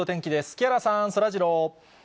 木原さん、そらジロー。